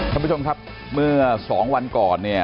ท่านผู้ชมครับเมื่อ๒วันก่อนเนี่ย